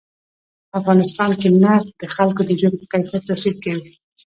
په افغانستان کې نفت د خلکو د ژوند په کیفیت تاثیر کوي.